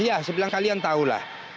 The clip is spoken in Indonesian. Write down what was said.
ya sebilang kalian tahulah